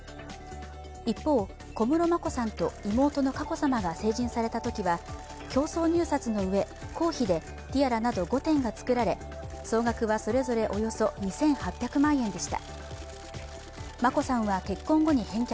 一方、小室眞子さんと妹の佳子さまが成人されたときは競争入札のうえ、公費でティアラなど５点が制作され、総額はそれぞれ、およそ２８００万円でした。